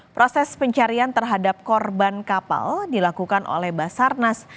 proses pencarian terhadap korban kapal dilakukan oleh basarnas